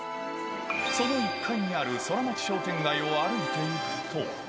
その１階にあるソラマチ商店街を歩いていくと。